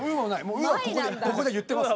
「う」はここで言ってます